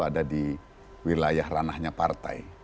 ada di wilayah ranahnya partai